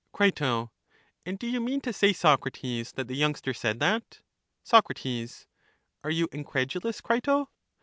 Cri, And do you mean to say, Socrates, that the youngster said that? Soc, Are you incredulous, Crito?